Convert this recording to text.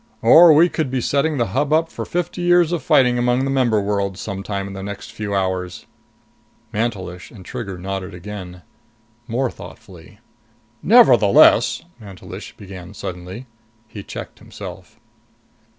Or we could be setting the Hub up for fifty years of fighting among the member worlds, sometime in the next few hours." Mantelish and Trigger nodded again. More thoughtfully. "Nevertheless " Mantelish began suddenly. He checked himself.